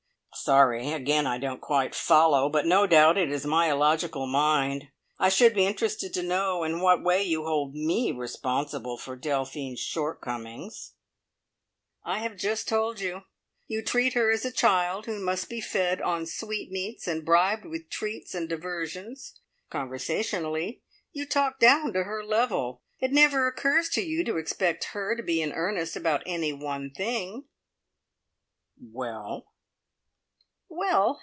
"Sorry. Again I don't quite follow. But no doubt it is my illogical mind. I should be interested to know in what way you hold me responsible for Delphine's shortcomings?" "I have just told you. You treat her as a child who must be fed on sweetmeats, and bribed with treats and diversions; conversationally you talk down to her level. It never occurs to you to expect her to be in earnest about any one thing." "Well?" "Well!